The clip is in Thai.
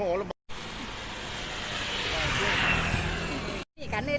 เมืองเกาะในประเทศ